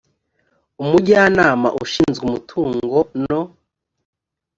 umujyanama ushinzwe umutungo no